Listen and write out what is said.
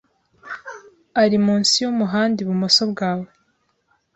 Ari munsi yumuhanda ibumoso bwawe.